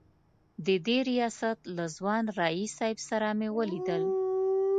د دې ریاست له ځوان رییس صیب سره مې ولیدل.